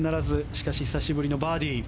しかし久しぶりのバーディー。